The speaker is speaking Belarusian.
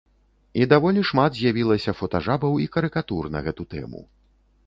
І даволі шмат з'явілася фотажабаў і карыкатур на гэту тэму.